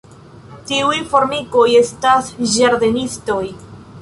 Tiuj formikoj estas ĝardenistoj.